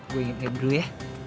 gue inget gak dulu ya